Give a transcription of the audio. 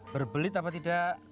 berbelit apa tidak